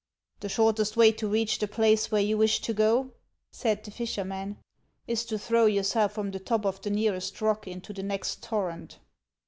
" The shortest way to reach the place where you wish to go," said the fisherman, " is to throw yourself from the top of the nearest rock into the next torrent."